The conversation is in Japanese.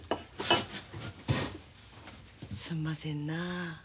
すんませんな。